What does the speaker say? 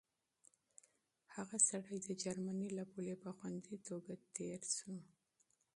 هغه سړی د جرمني له پولې په خوندي توګه تېر شو.